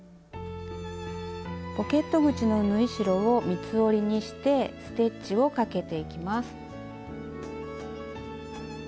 ポケット口の縫い代を三つ折りにしてステッチをかけていきます。